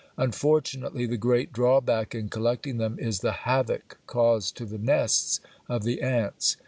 Unfortunately, the great drawback in collecting them is the havoc caused to the nests of the ants.